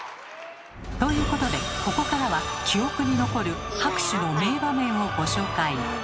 ということでここからは記憶に残る拍手の名場面をご紹介。